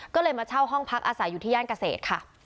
ก็เลยมาเช่าห้องพักอาศัยอยู่ที่ย่านเกษตรค่ะ